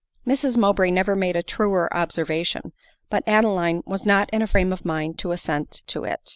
Mrs Mowbray never made a truer observation ; but Adeline was not in a frame of mind to assent to it.